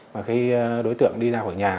và khi đối tượng đi ra khỏi nhà